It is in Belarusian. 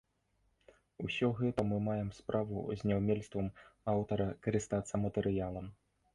Усё гэта мы маем справу з няўмельствам аўтара карыстацца матэрыялам.